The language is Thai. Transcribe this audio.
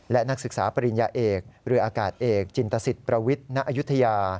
และนักศึกษาปริญญาเอกเรืออากาศเอกจินตสิทธิ์ประวิทณอายุทยา